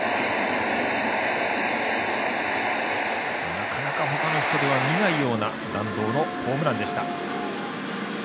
なかなか他の人では見ないような弾道のホームランでした。